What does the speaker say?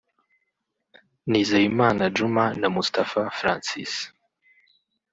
Nizeyimana Djuma na Mustafa Francis